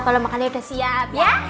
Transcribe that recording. kalau makannya udah siap